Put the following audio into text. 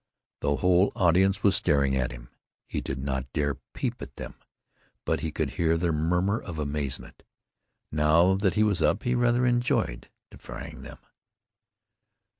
The whole audience was staring at him. He did not dare peep at them, but he could hear their murmur of amazement. Now that he was up he rather enjoyed defying them.